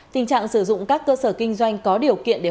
tình trạng sử dụng các cơ sở kinh doanh có điều kiện để hoàn thành